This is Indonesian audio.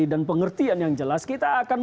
dan pengertian yang jelas kita akan